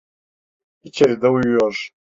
İçeride uyuyor.